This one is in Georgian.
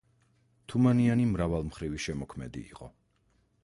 თუმანიანი მრავალმხრივი შემოქმედი იყო.